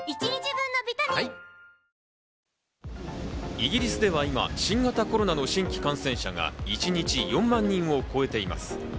イギリスでは今、新型コロナの新規感染者が一日４万人を超えています。